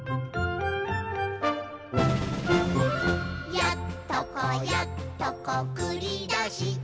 「やっとこやっとこくりだした」